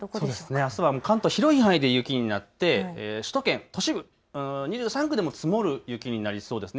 あすは関東広い範囲で雪になって首都圏都市部、２３区でも積もる雪になりそうですね。